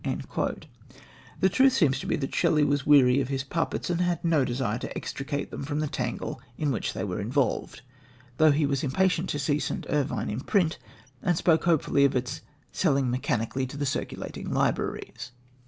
The truth seems to be that Shelley was weary of his puppets, and had no desire to extricate them from the tangle in which they were involved, though he was impatient to see St. Irvyne in print, and spoke hopefully of its "selling mechanically to the circulating libraries."